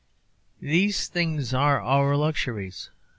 These things are our luxuries.